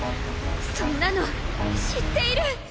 そんなの知っている！